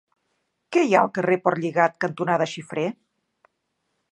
Què hi ha al carrer Portlligat cantonada Xifré?